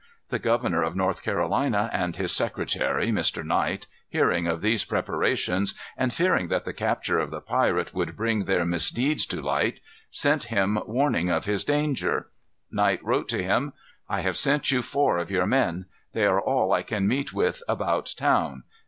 The governor of North Carolina, and his secretary, Mr. Knight, hearing of these preparations, and fearing that the capture of the pirate would bring their misdeeds to light, sent him warning of his danger. Knight wrote to him: "I have sent you four of your men. They are all I can meet with about town.